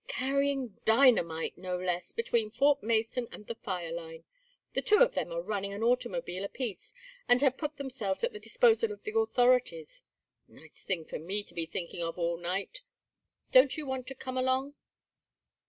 Carrying dynamite, no less, between Fort Mason and the fire line. The two of them are running an automobile apiece and have put themselves at the disposal of the authorities. Nice thing for me to be thinking of all night. Don't you want to come along?"